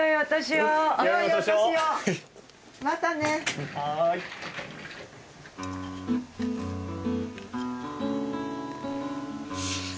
はい。